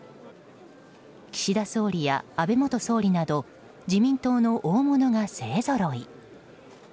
岸田総理や安倍元総理など自民党の大物が勢ぞろい。